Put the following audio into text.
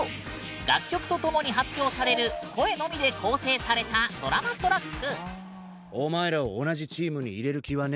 楽曲とともに発表される声のみで構成されたドラマトラック。